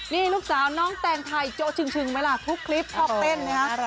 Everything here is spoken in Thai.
นี่ลูกสาน้องแต่งไทยโจ๊ะชึงไหมล่ะทุกคลิปพอปเต้น